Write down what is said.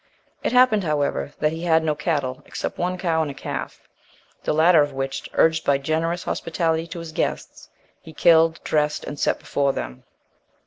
It happened, however, that he had no cattle, except one cow and a calf, the latter of which, urged by generous hospitality to his guests, he killed, dressed and set before them.